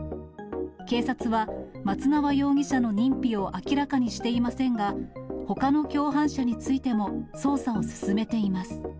警察は松縄容疑者の認否を明らかにしていませんが、ほかの共犯者についても捜査を進めています。